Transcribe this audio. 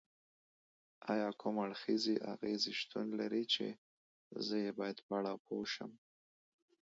ایا کوم اړخیزې اغیزې شتون لري چې زه یې باید په اړه پوه شم؟